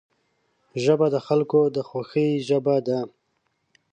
ژبه د خلکو د خوښۍ ژبه ده